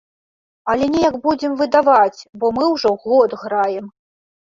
Але неяк будзем выдаваць, бо мы ўжо год граем.